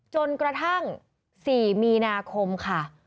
จนกระทั่ง๔มีนาคมค่ะ